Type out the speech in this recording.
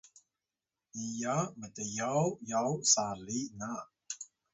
niya mtyaw yaw sali na